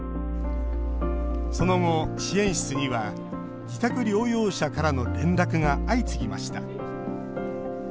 その後、支援室には自宅療養者からの連絡が相次ぎました。